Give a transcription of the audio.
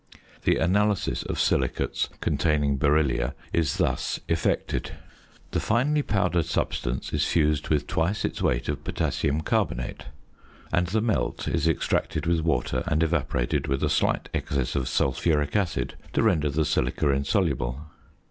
The analysis of silicates containing beryllia is thus effected. The finely powdered substance is fused with twice its weight of potassium carbonate; and the "melt" is extracted with water, and evaporated with a slight excess of sulphuric acid to render the silica insoluble.